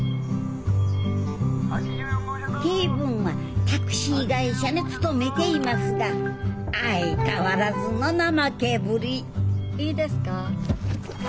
恵文はタクシー会社に勤めていますが相変わらずの怠けぶりいいですか？